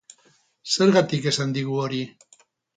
Zergatik esan digu hori?